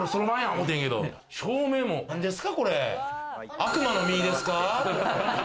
悪魔の実ですか？